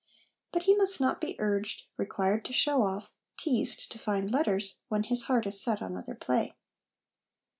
But he must not be urged, required to show off, teased to find letters when his heart is set on other play.